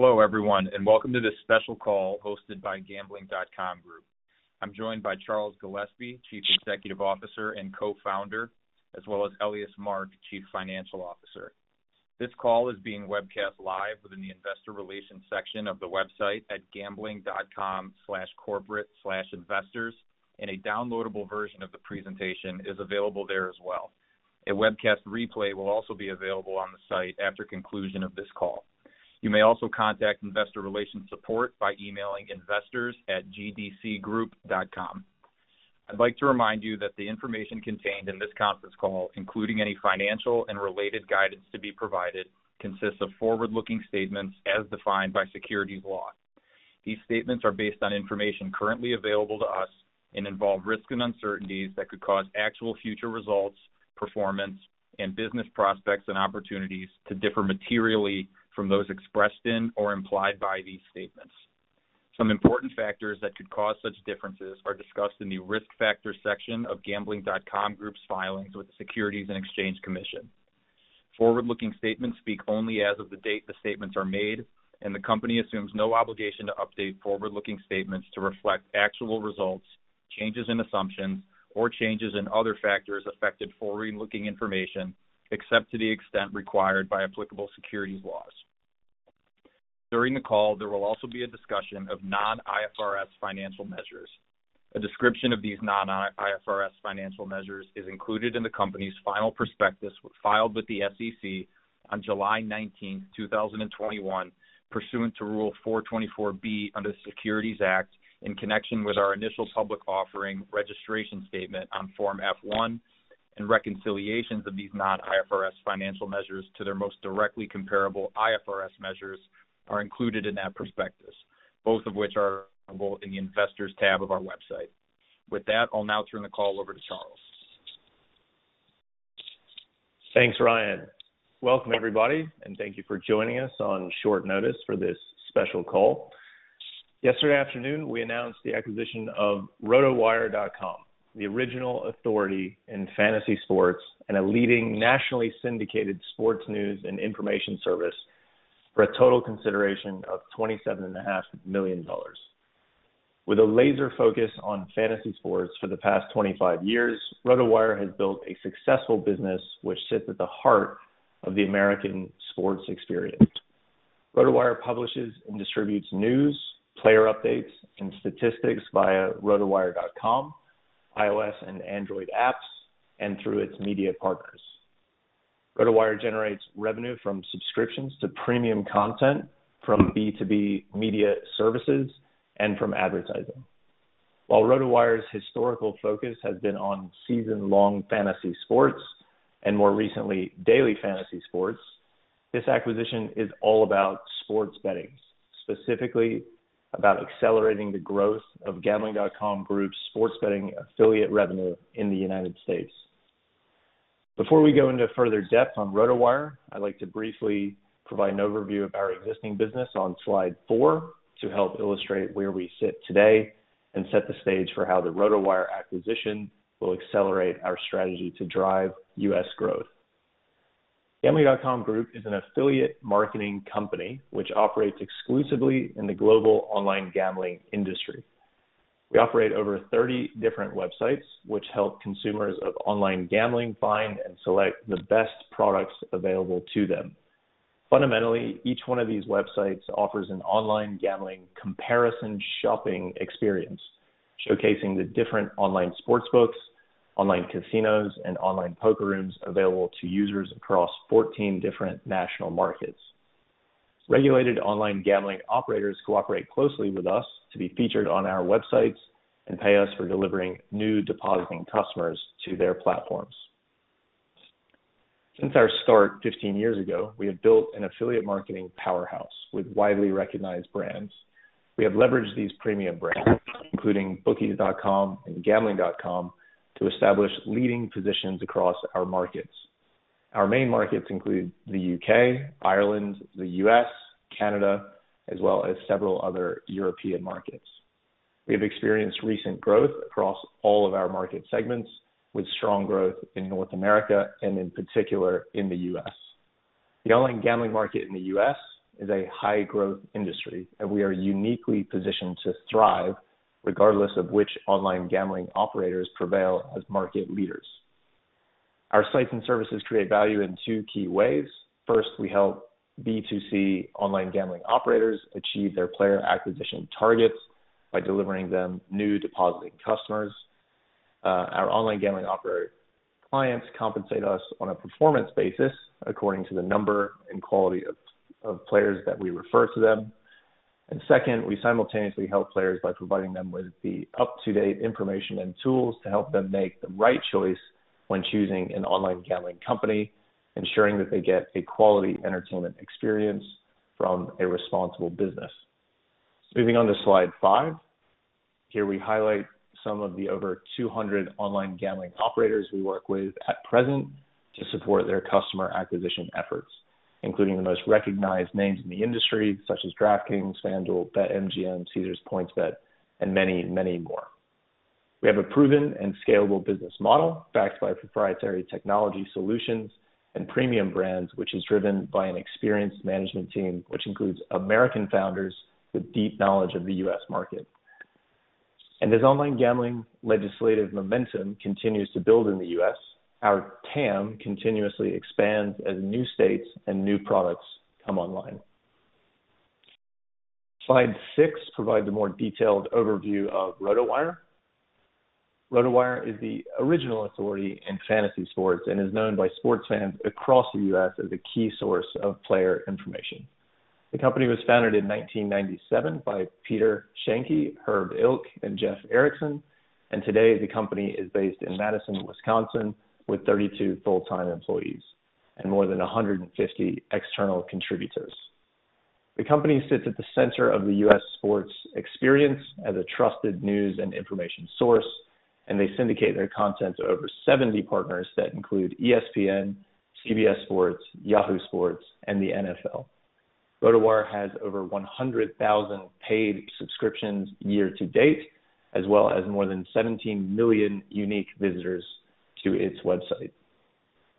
Hello, everyone, and welcome to this special call hosted by Gambling.com Group. I'm joined by Charles Gillespie, Chief Executive Officer and Co-founder, as well as Elias Mark, Chief Financial Officer. This call is being webcast live within the investor relations section of the website at gambling.com/corporate/investors, and a downloadable version of the presentation is available there as well. A webcast replay will also be available on the site after conclusion of this call. You may also contact investor relations support by emailing investors@gdcgroup.com. I'd like to remind you that the information contained in this conference call, including any financial and related guidance to be provided, consists of forward-looking statements as defined by securities law. These statements are based on information currently available to us and involve risks and uncertainties that could cause actual future results, performance, and business prospects and opportunities to differ materially from those expressed in or implied by these statements. Some important factors that could cause such differences are discussed in the Risk Factors section of Gambling.com Group's filings with the Securities and Exchange Commission. Forward-looking statements speak only as of the date the statements are made, and the company assumes no obligation to update forward-looking statements to reflect actual results, changes in assumptions, or changes in other factors that affect forward-looking information, except to the extent required by applicable securities laws. During the call, there will also be a discussion of non-IFRS financial measures. A description of these non-IFRS financial measures is included in the company's final prospectus, filed with the SEC on July 19, 2021, pursuant to Rule 424(b) under the Securities Act, in connection with our initial public offering registration statement on Form F-1, and reconciliations of these non-IFRS financial measures to their most directly comparable IFRS measures are included in that prospectus, both of which are available in the investors tab of our website. With that, I'll now turn the call over to Charles. Thanks, Ryan. Welcome, everybody, and thank you for joining us on short notice for this special call. Yesterday afternoon, we announced the acquisition of rotowire.com, the original authority in fantasy sports and a leading nationally syndicated sports news and information service, for a total consideration of $27 and a half million. With a laser focus on fantasy sports for the past 25 years, RotoWire has built a successful business which sits at the heart of the American sports experience. RotoWire publishes and distributes news, player updates, and statistics via rotowire.com, iOS and Android apps, and through its media partners. RotoWire generates revenue from subscriptions to premium content from B2B media services and from advertising. While RotoWire's historical focus has been on season-long fantasy sports and more recently, daily fantasy sports, this acquisition is all about sports betting, specifically about accelerating the growth of Gambling.com Group's sports betting affiliate revenue in the United States. Before we go into further depth on RotoWire, I'd like to briefly provide an overview of our existing business on slide four to help illustrate where we sit today and set the stage for how the RotoWire acquisition will accelerate our strategy to drive U.S. growth. Gambling.com Group is an affiliate marketing company which operates exclusively in the global online gambling industry. We operate over 30 different websites which help consumers of online gambling find and select the best products available to them. Fundamentally, each one of these websites offers an online gambling comparison shopping experience, showcasing the different online sportsbooks, online casinos, and online poker rooms available to users across 14 different national markets. Regulated online gambling operators cooperate closely with us to be featured on our websites and pay us for delivering new depositing customers to their platforms. Since our start 15 years ago, we have built an affiliate marketing powerhouse with widely recognized brands. We have leveraged these premium brands, including bookies.com and gambling.com, to establish leading positions across our markets. Our main markets include the U.K., Ireland, the U.S., Canada, as well as several other European markets. We have experienced recent growth across all of our market segments, with strong growth in North America and in particular in the U.S. The online gambling market in the U.S. is a high-growth industry, and we are uniquely positioned to thrive regardless of which online gambling operators prevail as market leaders. Our sites and services create value in two key ways. First, we help B2C online gambling operators achieve their player acquisition targets by delivering them new depositing customers. Our online gambling operator clients compensate us on a performance basis according to the number and quality of players that we refer to them. Second, we simultaneously help players by providing them with the up-to-date information and tools to help them make the right choice when choosing an online gambling company, ensuring that they get a quality entertainment experience from a responsible business. Moving on to slide five. Here we highlight some of the over 200 online gambling operators we work with at present to support their customer acquisition efforts, including the most recognized names in the industry such as DraftKings, FanDuel, BetMGM, Caesars, PointsBet, and many, many more. We have a proven and scalable business model backed by proprietary technology solutions and premium brands, which is driven by an experienced management team, which includes American founders with deep knowledge of the U.S. market. As online gambling legislative momentum continues to build in the U.S., our TAM continuously expands as new states and new products come online. Slide 6 provides a more detailed overview of RotoWire. RotoWire is the original authority in fantasy sports and is known by sports fans across the U.S. as a key source of player information. The company was founded in 1997 by Peter Schoenke, Herb Ilk and Jeff Erickson. Today the company is based in Madison, Wisconsin, with 32 full-time employees and more than 150 external contributors. The company sits at the center of the U.S. sports experience as a trusted news and information source, and they syndicate their content to over 70 partners that include ESPN, CBS Sports, Yahoo Sports, and the NFL. RotoWire has over 100,000 paid subscriptions year to date, as well as more than 17 million unique visitors to its website.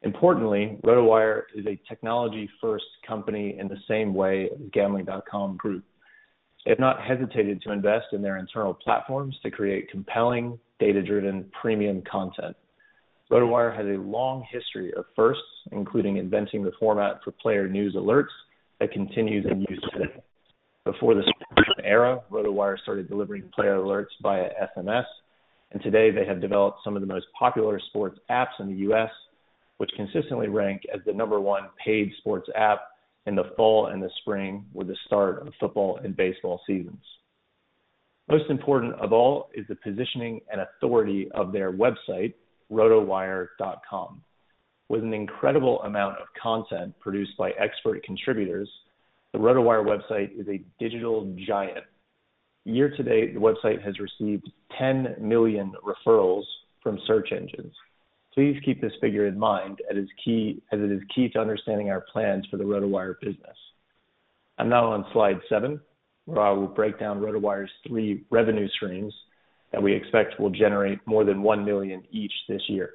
Importantly, RotoWire is a technology first company in the same way as Gambling.com Group. They have not hesitated to invest in their internal platforms to create compelling, data-driven premium content. RotoWire has a long history of firsts, including inventing the format for player news alerts that continues in use today. Before the smartphone era, RotoWire started delivering player alerts via SMS, and today they have developed some of the most popular sports apps in the U.S., which consistently rank as the number one paid sports app in the fall and the spring with the start of football and baseball seasons. Most important of all is the positioning and authority of their website, rotowire.com. With an incredible amount of content produced by expert contributors, the RotoWire website is a digital giant. Year to date, the website has received 10 million referrals from search engines. Please keep this figure in mind as it is key to understanding our plans for the RotoWire business. I'm now on slide 7, where I will break down RotoWire's three revenue streams that we expect will generate more than $1 million each this year.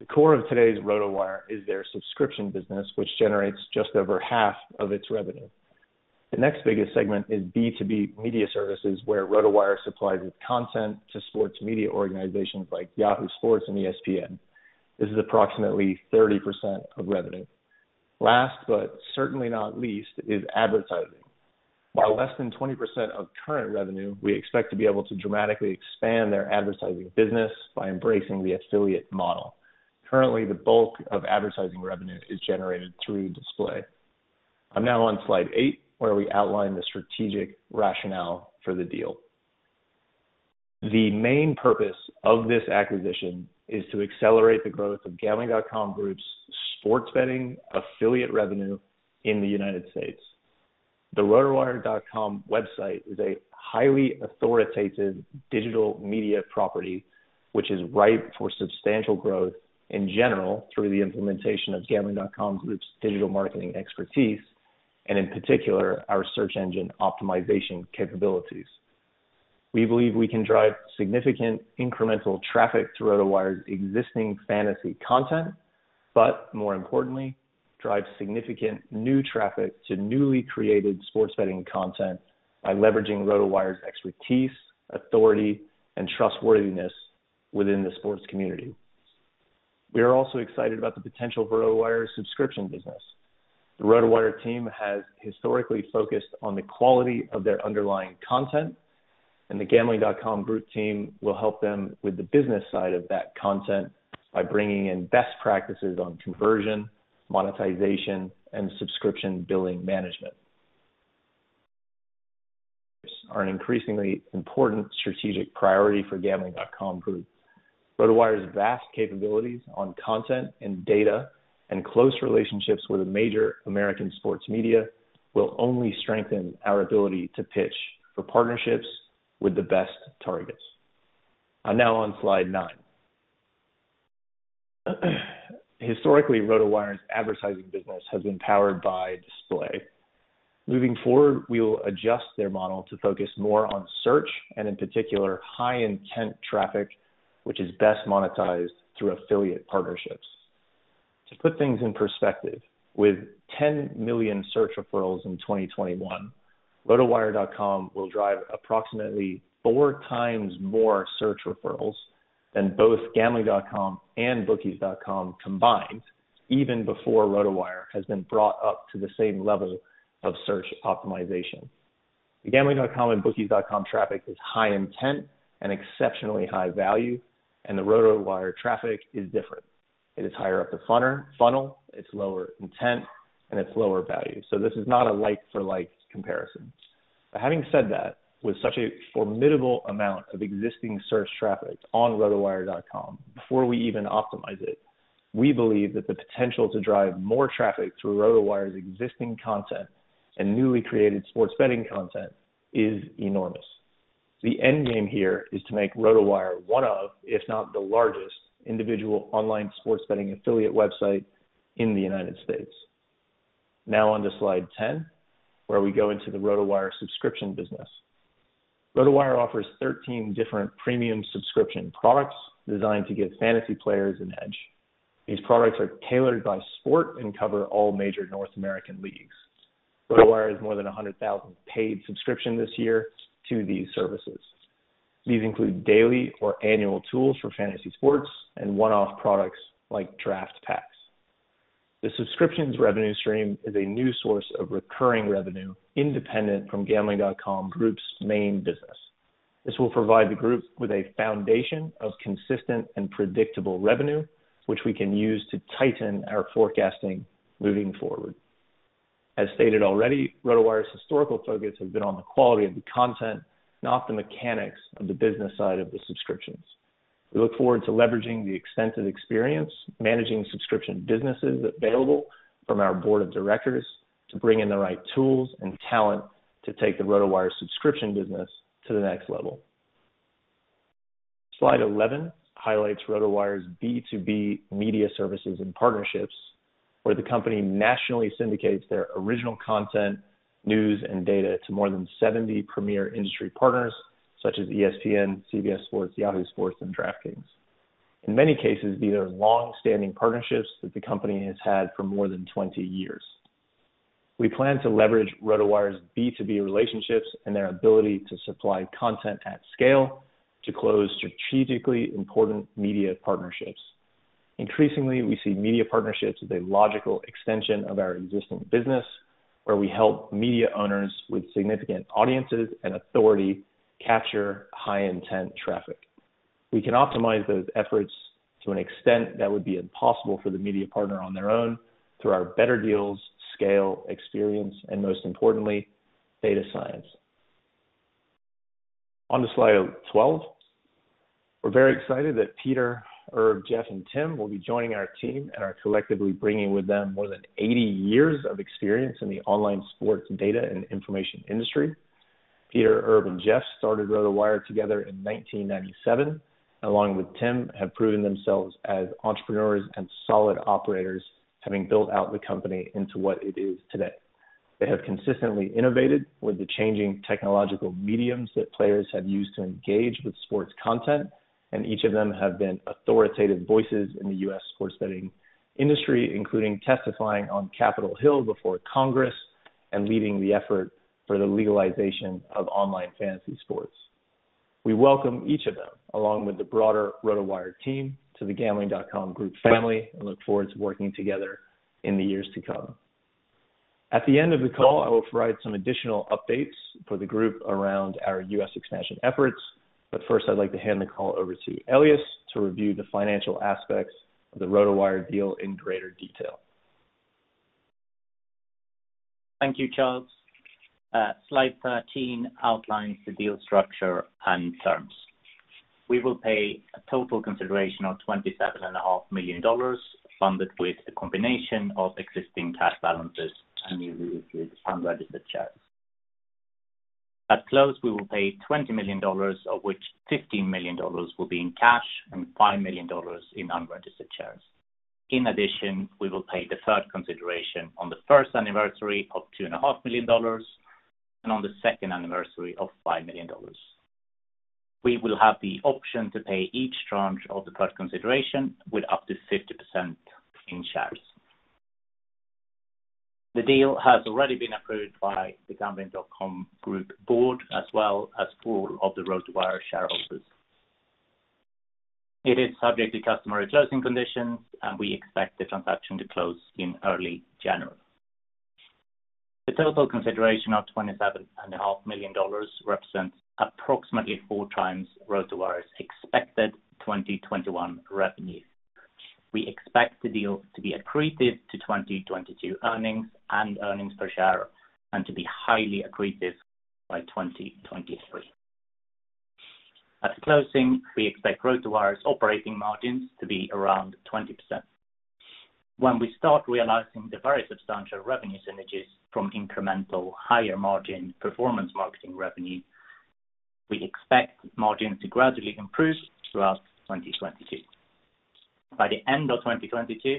The core of today's RotoWire is their subscription business, which generates just over half of its revenue. The next biggest segment is B2B media services, where RotoWire supplies its content to sports media organizations like Yahoo Sports and ESPN. This is approximately 30% of revenue. Last but certainly not least, is advertising. While less than 20% of current revenue, we expect to be able to dramatically expand their advertising business by embracing the affiliate model. Currently, the bulk of advertising revenue is generated through display. I'm now on slide 8, where we outline the strategic rationale for the deal. The main purpose of this acquisition is to accelerate the growth of Gambling.com Group's sports betting affiliate revenue in the United States. The rotowire.com website is a highly authoritative digital media property, which is ripe for substantial growth in general through the implementation of Gambling.com Group's digital marketing expertise, and in particular, our search engine optimization capabilities. We believe we can drive significant incremental traffic to RotoWire's existing fantasy content, but more importantly, drive significant new traffic to newly created sports betting content by leveraging RotoWire's expertise, authority, and trustworthiness within the sports community. We are also excited about the potential for RotoWire's subscription business. The RotoWire team has historically focused on the quality of their underlying content, and the Gambling.com Group team will help them with the business side of that content by bringing in best practices on conversion, monetization, and subscription billing management. Subscriptions are an increasingly important strategic priority for Gambling.com Group. RotoWire's vast capabilities on content and data and close relationships with major American sports media will only strengthen our ability to pitch for partnerships with the best targets. I'm now on slide nine. Historically, RotoWire's advertising business has been powered by display. Moving forward, we will adjust their model to focus more on search and in particular, high intent traffic, which is best monetized through affiliate partnerships. To put things in perspective, with 10 million search referrals in 2021, rotowire.com will drive approximately four times more search referrals than both gambling.com and bookies.com combined even before RotoWire has been brought up to the same level of search optimization. The gambling.com and bookies.com traffic is high intent and exceptionally high value, and the RotoWire traffic is different. It is higher up the funnel, it's lower intent, and it's lower value. This is not a like for like comparison. Having said that, with such a formidable amount of existing search traffic on rotowire.com before we even optimize it, we believe that the potential to drive more traffic through RotoWire's existing content and newly created sports betting content is enormous. The end game here is to make RotoWire one of, if not the largest, individual online sports betting affiliate website in the United States. Now on to slide 10, where we go into the RotoWire subscription business. RotoWire offers 13 different premium subscription products designed to give fantasy players an edge. These products are tailored by sport and cover all major North American leagues. RotoWire has more than 100,000 paid subscription this year to these services. These include daily or annual tools for fantasy sports and one-off products like draft packs. The subscriptions revenue stream is a new source of recurring revenue independent from Gambling.com Group's main business. This will provide the group with a foundation of consistent and predictable revenue, which we can use to tighten our forecasting moving forward. As stated already, RotoWire's historical focus has been on the quality of the content, not the mechanics of the business side of the subscriptions. We look forward to leveraging the extensive experience managing subscription businesses available from our board of directors to bring in the right tools and talent to take the RotoWire subscription business to the next level. Slide 11 highlights RotoWire's B2B media services and partnerships, where the company nationally syndicates their original content, news, and data to more than 70 premier industry partners such as ESPN, CBS Sports, Yahoo Sports, and DraftKings. In many cases, these are long-standing partnerships that the company has had for more than 20 years. We plan to leverage RotoWire's B2B relationships and their ability to supply content at scale to close strategically important media partnerships. Increasingly, we see media partnerships as a logical extension of our existing business, where we help media owners with significant audiences and authority capture high-intent traffic. We can optimize those efforts to an extent that would be impossible for the media partner on their own through our better deals, scale, experience, and most importantly, data science. On to slide 12. We're very excited that Peter, Irv, Jeff, and Tim will be joining our team and are collectively bringing with them more than 80 years of experience in the online sports data and information industry. Peter, Irv, and Jeff started RotoWire together in 1997, along with Tim, have proven themselves as entrepreneurs and solid operators, having built out the company into what it is today. They have consistently innovated with the changing technological mediums that players have used to engage with sports content, and each of them have been authoritative voices in the U.S. sports betting industry, including testifying on Capitol Hill before Congress and leading the effort for the legalization of online fantasy sports. We welcome each of them, along with the broader RotoWire team, to the Gambling.com Group family and look forward to working together in the years to come. At the end of the call, I will provide some additional updates for the group around our U.S. expansion efforts, but first, I'd like to hand the call over to Elias to review the financial aspects of the RotoWire deal in greater detail. Thank you, Charles. Slide 13 outlines the deal structure and terms. We will pay a total consideration of $27 and a half million, funded with a combination of existing cash balances and newly issued unregistered shares. At close, we will pay $20 million, of which $15 million will be in cash and $5 million in unregistered shares. In addition, we will pay deferred consideration on the first anniversary of $2 and a half million and on the second anniversary of $5 million. We will have the option to pay each tranche of the deferred consideration with up to 50% in shares. The deal has already been approved by the Gambling.com Group board as well as four of the RotoWire shareholders. It is subject to customary closing conditions, and we expect the transaction to close in early January. The total consideration of $27.5 million represents approximately 4x RotoWire's expected 2021 revenue. We expect the deal to be accretive to 2022 earnings and earnings per share and to be highly accretive by 2023. At closing, we expect RotoWire's operating margins to be around 20%. When we start realizing the very substantial revenue synergies from incremental higher-margin performance marketing revenue, we expect margins to gradually improve throughout 2022. By the end of 2022,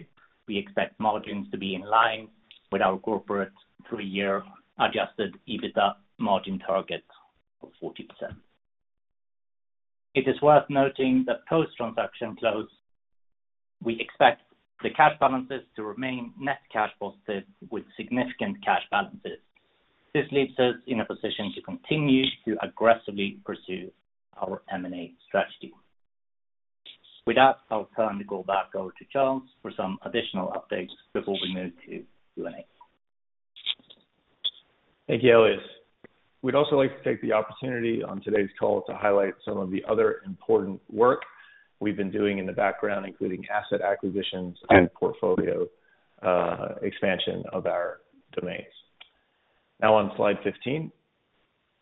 we expect margins to be in line with our corporate 3-year adjusted EBITDA margin target of 40%. It is worth noting that post-transaction close, we expect the cash balances to remain net cash positive with significant cash balances. This leaves us in a position to continue to aggressively pursue our M&A strategy. With that, I'll turn the call back over to Charles for some additional updates before we move to Q&A. Thank you, Elias. We'd also like to take the opportunity on today's call to highlight some of the other important work we've been doing in the background, including asset acquisitions and portfolio expansion of our domains. Now on slide 15,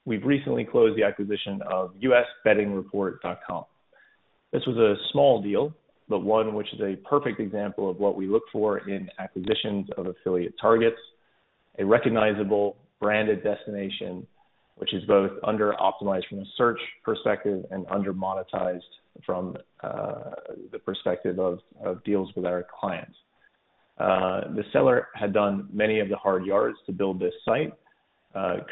we've recently closed the acquisition of usbettingreport.com. This was a small deal, but one which is a perfect example of what we look for in acquisitions of affiliate targets, a recognizable branded destination, which is both under-optimized from a search perspective and under-monetized from the perspective of deals with our clients. The seller had done many of the hard yards to build this site,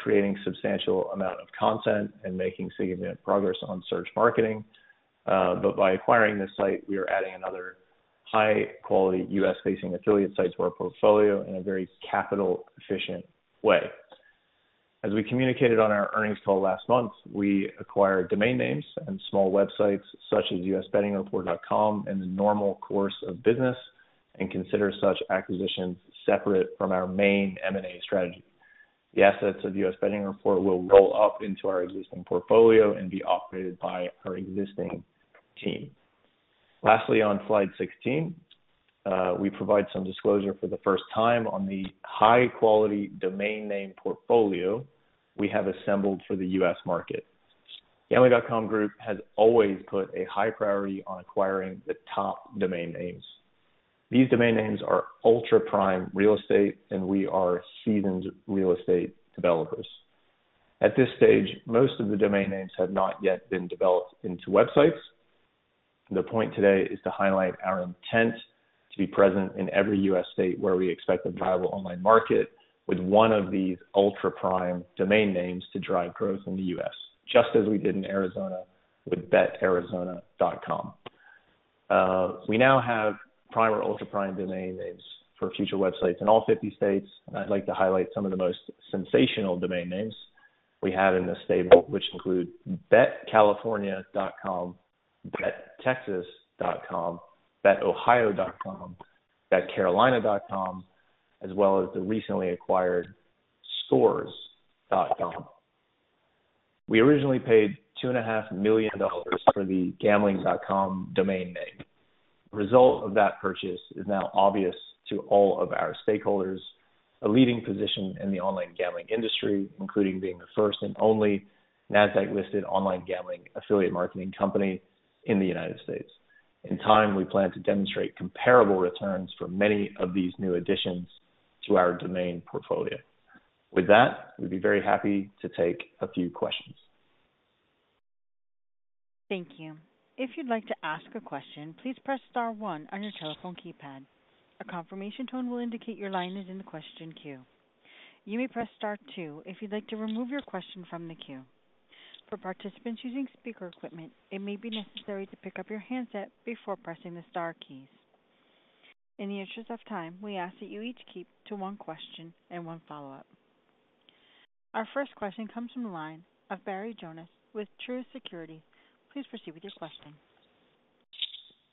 creating a substantial amount of content and making significant progress on search marketing. But by acquiring this site, we are adding another high-quality U.S.-facing affiliate site to our portfolio in a very capital-efficient way. As we communicated on our earnings call last month, we acquired domain names and small websites such as usbettingreport.com in the normal course of business and consider such acquisitions separate from our main M&A strategy. The assets of US Betting Report will roll up into our existing portfolio and be operated by our existing team. Lastly, on slide 16, we provide some disclosure for the first time on the high quality domain name portfolio we have assembled for the U.S. market. Gambling.com Group has always put a high priority on acquiring the top domain names. These domain names are ultra prime real estate, and we are seasoned real estate developers. At this stage, most of the domain names have not yet been developed into websites. The point today is to highlight our intent to be present in every U.S. state where we expect a viable online market with one of these ultra prime domain names to drive growth in the U.S., just as we did in Arizona with BetArizona.com. We now have prime or ultra prime domain names for future websites in all 50 states. I'd like to highlight some of the most sensational domain names we have in the stable, which include BetCalifornia.com, BetTexas.com, BetOhio.com, BetCarolina.com, as well as the recently acquired scores.com. We originally paid $2.5 million for the Gambling.com domain name. The result of that purchase is now obvious to all of our stakeholders. A leading position in the online gambling industry, including being the first and only Nasdaq listed online gambling affiliate marketing company in the United States. In time, we plan to demonstrate comparable returns for many of these new additions to our domain portfolio. With that, we'd be very happy to take a few questions. Thank you. If you'd like to ask a question, please press star one on your telephone keypad. A confirmation tone will indicate your line is in the question queue. You may press star two if you'd like to remove your question from the queue. For participants using speaker equipment, it may be necessary to pick up your handset before pressing the star keys. In the interest of time, we ask that you each keep to one question and one follow-up. Our first question comes from the line of Barry Jonas with Truist Securities. Please proceed with your question.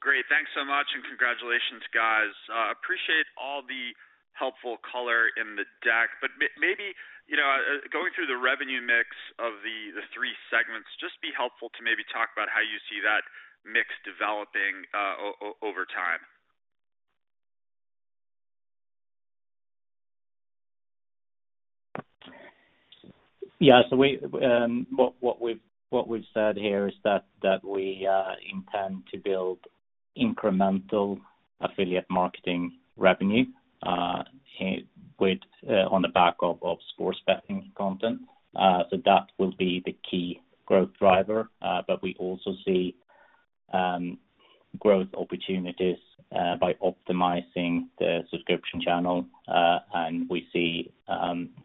Great. Thanks so much, and congratulations, guys. Appreciate all the helpful color in the deck. Maybe, you know, going through the revenue mix of the three segments, just be helpful to maybe talk about how you see that mix developing, over time. Yeah. What we've said here is that we intend to build incremental affiliate marketing revenue with on the back of sports betting content. That will be the key growth driver. We also see growth opportunities by optimizing the subscription channel, and we see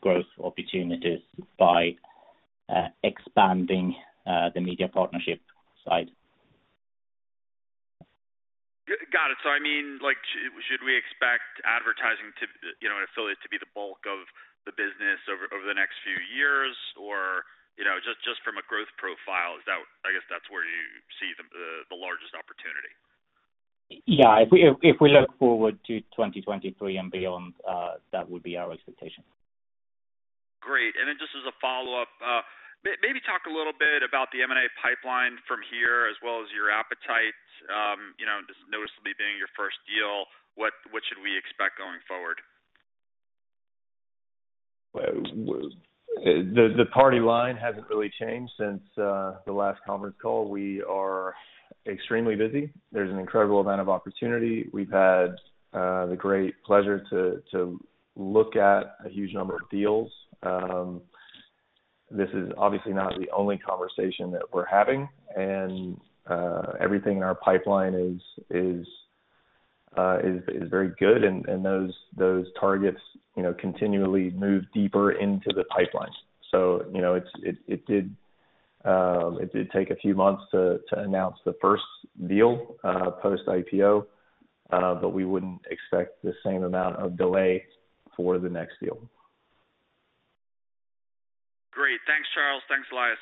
growth opportunities by expanding the media partnership side. Got it. I mean, like, should we expect advertising to, you know, and affiliate to be the bulk of the business over the next few years? Or, you know, just from a growth profile, is that I guess that's where you see the largest opportunity? Yeah. If we look forward to 2023 and beyond, that would be our expectation. Great. Just as a follow-up, maybe talk a little bit about the M&A pipeline from here as well as your appetite. You know, this noticeably being your first deal, what should we expect going forward? Well, the party line hasn't really changed since the last conference call. We are extremely busy. There's an incredible amount of opportunity. We've had the great pleasure to look at a huge number of deals. This is obviously not the only conversation that we're having and everything in our pipeline is very good and those targets, you know, continually move deeper into the pipeline. You know it did take a few months to announce the first deal post IPO, but we wouldn't expect the same amount of delay for the next deal. Great. Thanks, Charles. Thanks, Elias.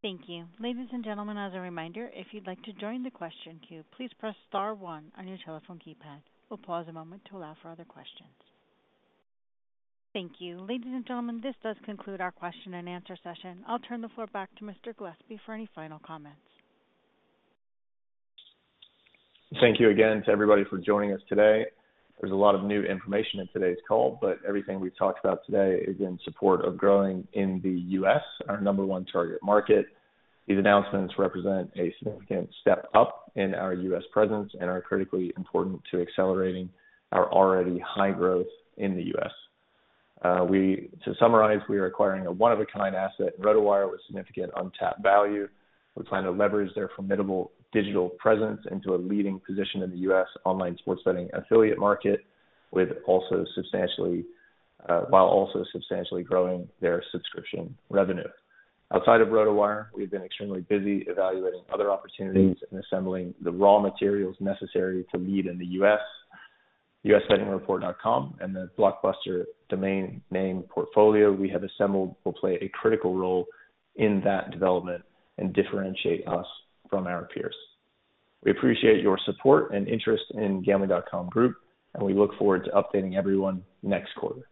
Thank you. Ladies and gentlemen, as a reminder, if you'd like to join the question queue, please press star one on your telephone keypad. We'll pause a moment to allow for other questions. Thank you. Ladies and gentlemen, this does conclude our question and answer session. I'll turn the floor back to Mr. Gillespie for any final comments. Thank you again to everybody for joining us today. There's a lot of new information in today's call, but everything we've talked about today is in support of growing in the U.S., our number one target market. These announcements represent a significant step up in our U.S. presence and are critically important to accelerating our already high growth in the U.S. To summarize, we are acquiring a one of a kind asset, RotoWire, with significant untapped value. We plan to leverage their formidable digital presence into a leading position in the U.S. online sports betting affiliate market, while also substantially growing their subscription revenue. Outside of RotoWire, we've been extremely busy evaluating other opportunities and assembling the raw materials necessary to lead in the U.S. usbettingreport.com and the blockbuster domain name portfolio we have assembled will play a critical role in that development and differentiate us from our peers. We appreciate your support and interest in Gambling.com Group, and we look forward to updating everyone next quarter.